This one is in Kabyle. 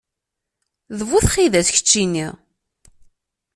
D bu txidas, keččini!